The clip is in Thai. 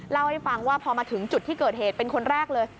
เล่าให้ฟังว่าพอมาถึงจุดที่เกิดเหตุเป็นคนแรกเลย